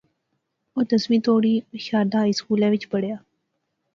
او دسویں توڑیں شاردا ہائی سکولے وچ پڑھیا